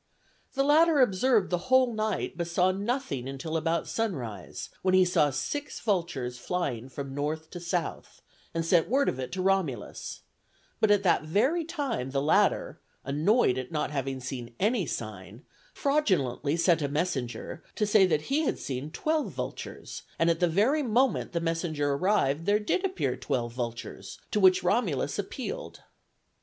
The latter observed the whole night, but saw nothing until about sunrise, when he saw six vultures flying from north to south, and sent word of it to Romulus; but at that very time the latter, annoyed at not having seen any sign, fraudulently sent a messenger to say that he had seen twelve vultures, and at the very moment the messenger arrived there did appear twelve vultures, to which Romulus appealed.